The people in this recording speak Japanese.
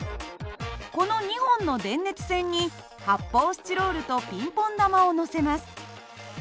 この２本の電熱線に発泡スチロールとピンポン玉をのせます。